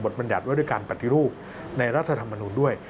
บทบรรยัตรวรรษการปฏิรูปในรัฐธรรมนุมด้วย